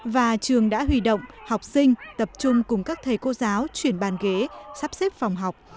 và trường đã huy động học sinh tập trung cùng các thầy cô giáo chuyển bàn ghế sắp xếp phòng học